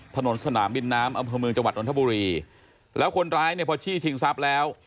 สนามบินน้ำอำเภอเมืองจังหวัดนทบุรีแล้วคนร้ายเนี่ยพอจี้ชิงทรัพย์แล้ว